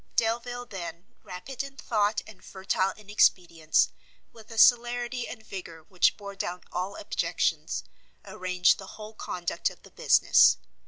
Delvile then, rapid in thought and fertile in expedients, with a celerity and vigour which bore down all objections, arranged the whole conduct of the business.